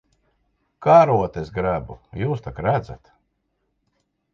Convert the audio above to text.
Karotes grebu. Jūs tak redzat.